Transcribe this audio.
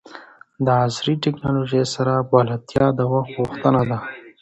د عصري ټکنالوژۍ سره بلدتیا د وخت غوښتنه ده.